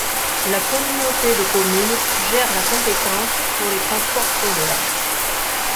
La communauté de communes gère la compétence pour les transports scolaires.